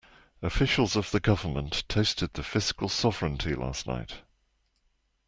Officials of the government toasted the fiscal sovereignty last night.